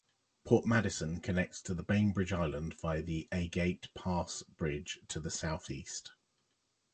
Port Madison connects to Bainbridge Island via the Agate Pass Bridge to the southeast.